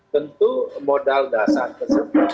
tentu modal dasar tersebut